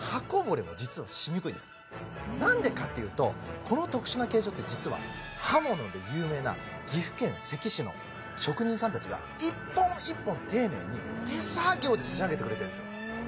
なんでかっていうとこの特殊な形状って実は刃物で有名な岐阜県関市の職人さんたちが１本１本丁寧に手作業で仕上げてくれてるんですよ